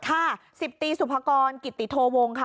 ค่ะ๑๐ตีสุภากรกิติโทวงค่ะ